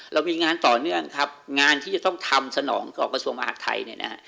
เรามีงานต่อเนื่องครับงานที่จะต้องทำสนองของกระทรวงมหาดไทยเนี่ยนะฮะ